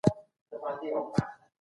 د مېوو تازه جوس وڅښئ.